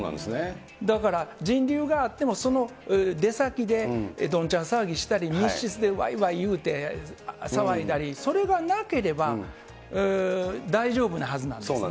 だから人流があっても、出先でどんちゃん騒ぎしたり密室でわいわい言うて騒いだり、それがなければ大丈夫なはずなんですね。